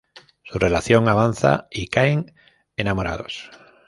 Su relación avanza y caen enamorados.